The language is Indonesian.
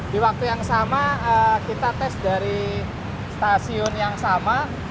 di waktu yang sama kita tes dari stasiun yang sama